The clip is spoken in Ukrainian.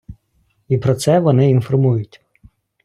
І про це вони інформують.